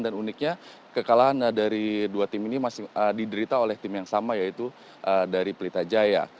dan uniknya kekalahan dari dua tim ini masih diderita oleh tim yang sama yaitu dari pelita jaya